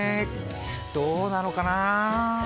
どうなのかな。